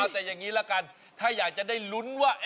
แต่อย่างนี้ละกันถ้าอยากจะได้ลุ้นว่า